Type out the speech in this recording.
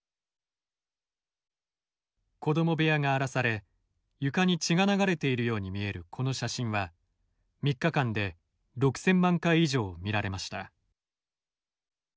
子ども部屋が荒らされ床に血が流れているように見えるこの写真は３日間で６，０００万回以上見られました。